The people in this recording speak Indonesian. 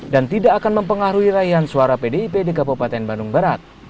dan tidak akan mempengaruhi raihan suara pdip di kabupaten bandung barat